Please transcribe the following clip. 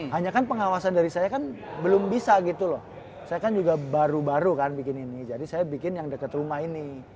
hanya kan pengawasan dari saya kan belum bisa gitu loh saya kan juga baru baru kan bikin ini jadi saya bikin yang dekat rumah ini